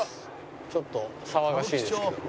ちょっと騒がしいですけどもね。